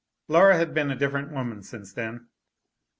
Laura had been a different woman since then.